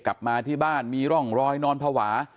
กลับมาที่บ้านมีร่องรอยนอนภาวะ